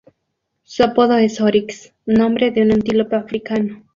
Su apodo es Oryx, nombre de un antílope africano.